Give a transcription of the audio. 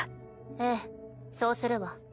ええそうするわ。